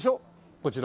こちらは。